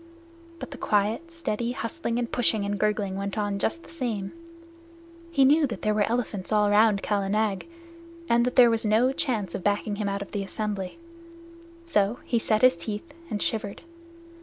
But the quiet, steady hustling and pushing and gurgling went on just the same. He knew that there were elephants all round Kala Nag, and that there was no chance of backing him out of the assembly; so he set his teeth and shivered.